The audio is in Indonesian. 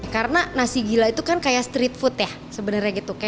karena nasi gila itu kan kayak street food ya sebenarnya gitu